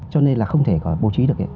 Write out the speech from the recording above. cho nên là không thể có bố trí được